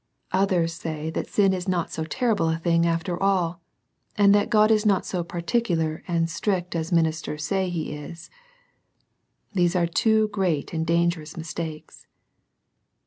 Others say that sin is not so terrible a thing after all, and that God is not so particular and strict as ministers say He is. These are two great and dangerous mistakes.